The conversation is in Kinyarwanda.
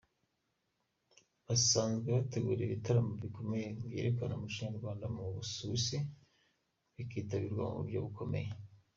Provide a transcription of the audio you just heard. Basanzwe bategura ibitaramo bikomeye byerekana umuco nyarwanda mu Busuwisi bikitabirwa mu buryo bukomeye.